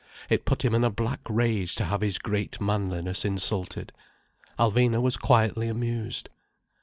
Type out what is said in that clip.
It put him in a black rage to have his great manliness insulted. Alvina was quietly amused.